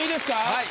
はい。